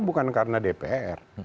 bukan karena dpr